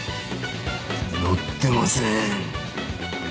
のってません。